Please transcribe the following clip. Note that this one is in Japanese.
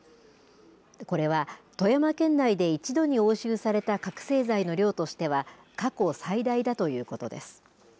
これは、富山県内で一度に押収された覚醒剤の量としては過去最大だということです。